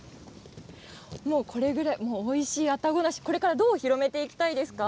これぐらいおいしいあたご梨どう広めていきたいですか。